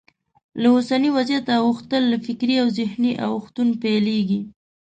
له اوسني وضعیته اوښتل له فکري او ذهني اوښتون پیلېږي.